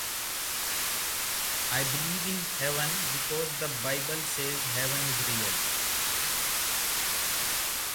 I believe in heaven because the bible says heaven is real.